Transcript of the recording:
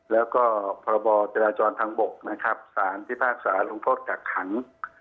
แล้วก็พเจรจรทางบกสธิพรศาลภกษ์กักขัง